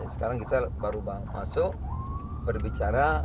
sekarang kita baru masuk berbicara